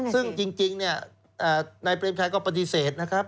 ซึ่งจริงเนี่ยนายเปรมชัยก็ปฏิเสธนะครับ